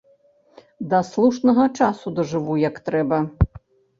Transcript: Да слушнага часу дажыву як трэба!